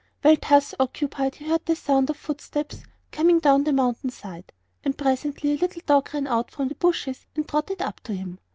While thus occupied he heard a sound of footsteps coming down the mountain side, and presently a little dog ran out from the bushes and trotted up to him.